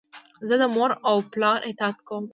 زه د مور و پلار اطاعت کوم.